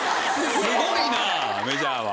すごいなメジャーは。